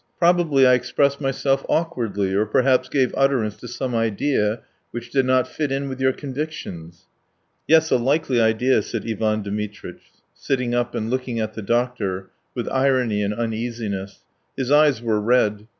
... Probably I expressed myself awkwardly, or perhaps gave utterance to some idea which did not fit in with your convictions. ..." "Yes, a likely idea!" said Ivan Dmitritch, sitting up and looking at the doctor with irony and uneasiness. His eyes were red.